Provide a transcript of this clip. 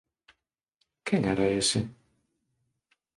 Quen era ese?